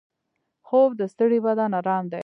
خوب د ستړي بدن ارام دی